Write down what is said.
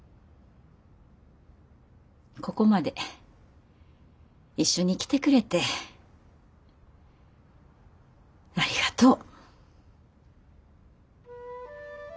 ここまで一緒に来てくれてありがとう。